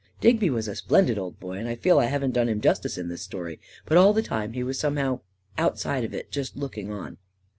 Digby was a splendid old boy, and I feel I haven't done him justice in this story, but all the time he was somehow outside of it, just looking on.